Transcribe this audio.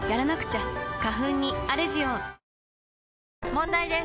問題です！